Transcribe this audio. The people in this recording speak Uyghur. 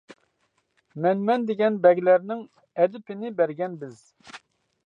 مەنمەن دېگەن بەگلەرنىڭ، ئەدىپىنى بەرگەن بىز.